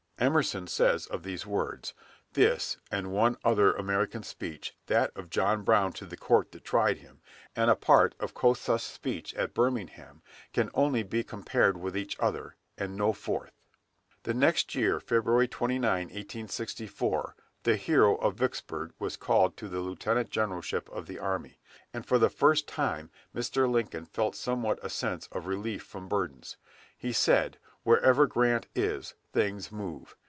Emerson says of these words, "This, and one other American speech, that of John Brown to the court that tried him, and a part of Kossuth's speech at Birmingham, can only be compared with each other, and no fourth." The next year, Feb. 29, 1864, the Hero of Vicksburg was called to the Lieutenant Generalship of the army, and for the first time Mr. Lincoln felt somewhat a sense of relief from burdens. He said, "Wherever Grant is, things move."